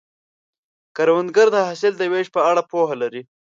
کروندګر د حاصل د ویش په اړه پوهه لري